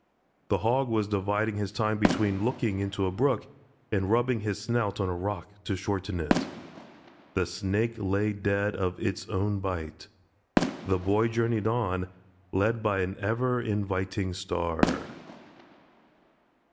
The Hog was dividing his time between looking into a brook and rubbing his snout on a rock to shorten it. The Snake lay dead of its own bite. The Boy journeyed on, led by an ever inviting star.